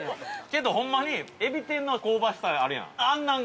けどほんまにエビ天の香ばしさがあるやん。